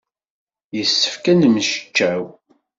Yessefk ad nemmecčaw.